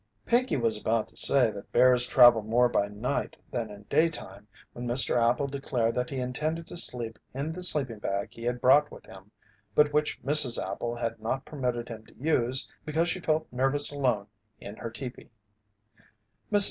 Pinkey was about to say that bears travelled more by night than in daytime, when Mr. Appel declared that he intended to sleep in the sleeping bag he had brought with him but which Mrs. Appel had not permitted him to use because she felt nervous alone, in her teepee. Mrs.